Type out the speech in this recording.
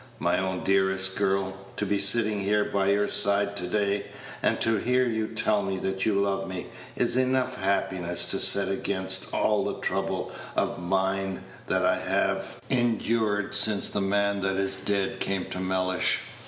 My own dearest girl, to be sitting here by your side to day, and to hear you tell me that you love me, is enough happiness to set against all the trouble of mind that I have endured since the man that is dead came to Mellish."